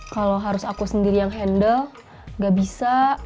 kalau harus aku sendiri yang handle gak bisa